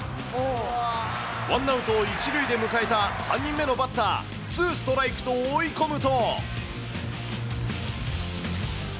ワンアウト１塁で迎えた３人目のバッター、ツーストライクと追い込むと。